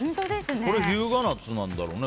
これ日向夏なんだろうね。